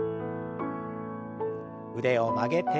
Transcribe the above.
腕を曲げて。